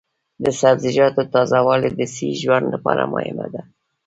د سبزیجاتو تازه والي د صحي ژوند لپاره مهمه ده.